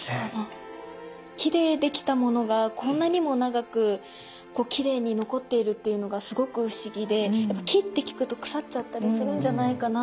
木で出来たものがこんなにも長くきれいに残っているっていうのがすごく不思議でやっぱ木って聞くと腐っちゃったりするんじゃないかなとか。